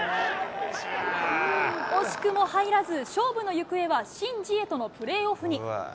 惜しくも入らず、勝負の行方はシン・ジエとのプレーオフに。